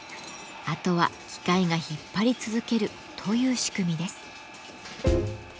あとは機械が引っ張り続けるという仕組みです。